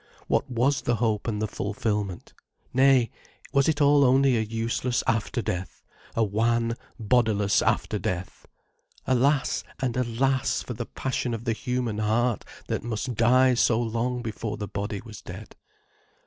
What was the hope and the fulfilment? Nay, was it all only a useless after death, a wan, bodiless after death? Alas, and alas for the passion of the human heart, that must die so long before the body was dead.